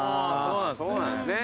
そうなんですね